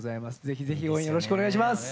ぜひぜひ応援よろしくお願いします。